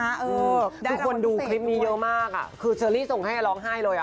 คือคนดูคลิปนี้เยอะมากคือเชอรี่ส่งให้ร้องไห้เลย